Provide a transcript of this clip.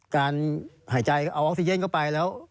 การหายใจเอาออกซิเจนเข้าไปแล้ว